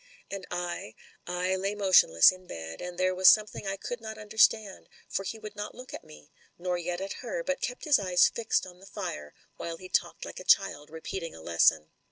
And I — I lay motionless in bed, and there was some thing I could not understand, for he would not look at me, nor yet at her, but kept his eyes fixed on the fire, while he talked like a child repeating a lesson.